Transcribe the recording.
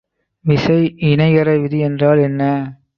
விசை இணைகர விதி என்றால் என்ன?